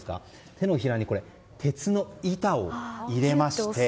手のひらに鉄の板を入れまして。